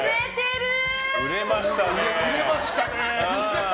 売れましたね。